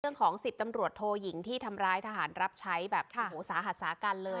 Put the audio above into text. เจอเรื่องของ๑๐ตำรวจทโทหยิงที่ทำร้ายทหารรับใช้สาหัสค่ะ